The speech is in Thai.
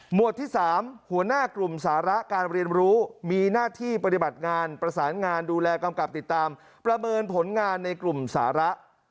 วดที่๓หัวหน้ากลุ่มสาระการเรียนรู้มีหน้าที่ปฏิบัติงานประสานงานดูแลกำกับติดตามประเมินผลงานในกลุ่มสาระ